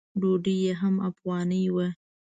ډوډۍ یې هم افغاني وه.